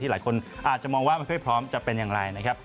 หลายคนอาจจะมองว่าไม่ค่อยพร้อมจะเป็นอย่างไรนะครับ